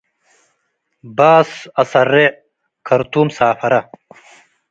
ባስ አሰሬዕ ከርቱም ሳፈረ